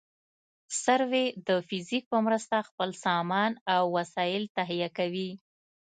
سروې د فزیک په مرسته خپل سامان او وسایل تهیه کوي